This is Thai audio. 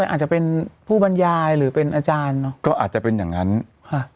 อาจจะเป็นผู้บรรยายหรือเป็นอาจารย์เนอะก็อาจจะเป็นอย่างงั้นฮะ